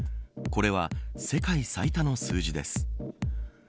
これは世界最多の数字です。